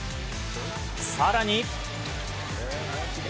更に。